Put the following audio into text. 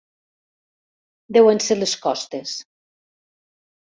Deuen ser les costes.